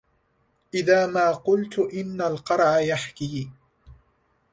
إذا ما قلت إن القرع يحكي